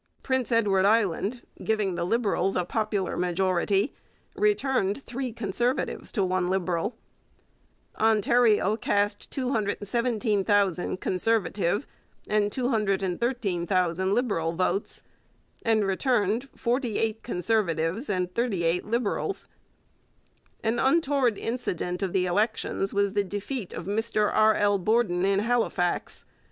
Prince Edward Island, giving the Liberals a popular majority, returned three Conservatives to one Liberal. Ontario cast 217,000 Conservative and 213,000 Liberal votes and returned forty eight Conservatives and thirty eight Liberals. An untoward incident of the elections was the defeat of Mr R. L. Borden in Halifax.